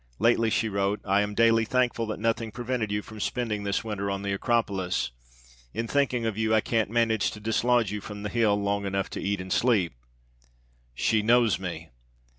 Lately she wrote, 'I am daily thankful that nothing prevented you from spending this winter on the Acropolis. In thinking of you I can't manage to dislodge you from the hill long enough to eat and sleep.' She knows me!